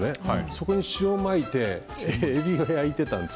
そこに塩を巻いてえびを焼いていたんです。